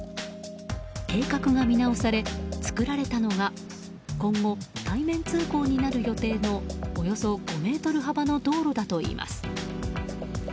計画が見直され、作られたのが今後、対面通行になる予定のおよそ５ｍ幅の道路だといいます。